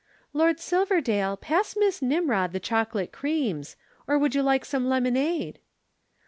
"Lord Silverdale, pass Miss Nimrod the chocolate creams. Or would you like some lemonade?"